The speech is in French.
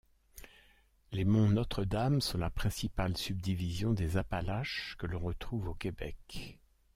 Les monts Notre-Dame sont la principale subdivision des Appalaches que l'on retrouve au Québec.